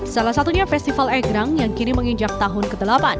salah satunya festival egrang yang kini menginjak tahun ke delapan